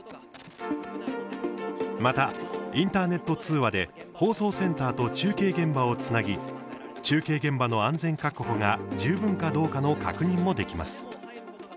また、インターネット通話で放送センターと中継現場をつなぎ中継現場の安全確保が十分かどうかの確認もできます。